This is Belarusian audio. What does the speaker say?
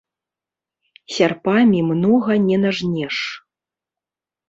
Сярпамі многа не нажнеш.